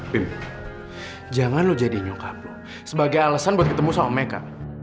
pim jangan lo jadi nyokap lo sebagai alasan buat ketemu sama mereka